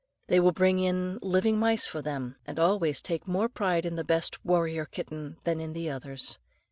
They will bring in living mice for them, and always take more pride in the best warrior kitten than in the others.